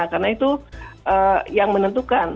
karena itu yang menentukan